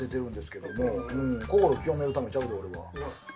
心清めるためちゃうで、俺は。